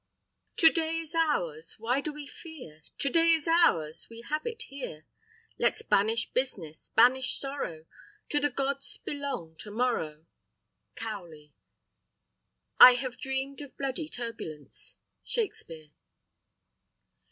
To day is ours! why do we fear? To day is ours! we have it here. Let's banish business, banish sorrow; To the gods belongs to morrow. Cowley. I have dreamed Of bloody turbulence. Shakspere.